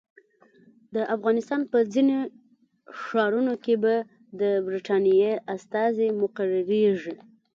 د افغانستان په ځینو ښارونو کې به د برټانیې استازي مقرریږي.